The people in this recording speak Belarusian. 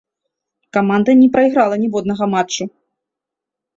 Каманда не прайграла ніводнага матчу.